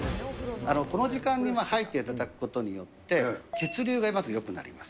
この時間に入っていただくことによって、血流がまずよくなります。